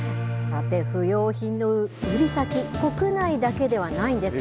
さて、不用品の売り先、国内だけではないんです。